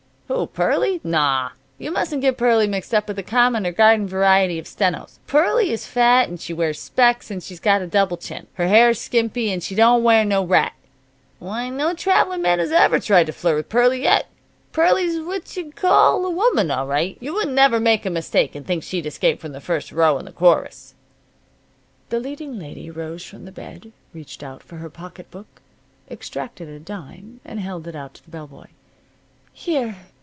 "Who? Pearlie? Naw. You mustn't get Pearlie mixed with the common or garden variety of stenos. Pearlie is fat, and she wears specs and she's got a double chin. Her hair is skimpy and she don't wear no rat. W'y no traveling man has ever tried to flirt with Pearlie yet. Pearlie's what you'd call a woman, all right. You wouldn't never make a mistake and think she'd escaped from the first row in the chorus." The leading lady rose from the bed, reached out for her pocket book, extracted a dime, and held it out to the bell boy. "Here.